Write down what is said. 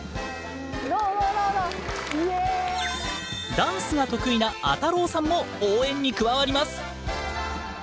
ダンスが得意なあたろーさんも応援に加わります。